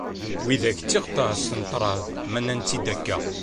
Widak d tiɣtas n ṭṭraḍ, ma nenna-tt-id akka.